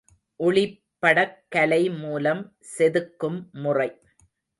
ஒளிப்படக் கலை மூலம் செதுக்கும் முறை.